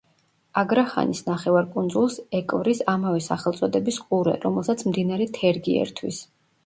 აგრახანის ნახევარკუნძულს ეკვრის ამავე სახელწოდების ყურე, რომელსაც მდინარე თერგი ერთვის.